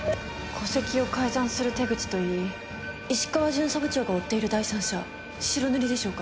戸籍を改ざんする手口といい石川巡査部長が追っている第三者白塗りでしょうか？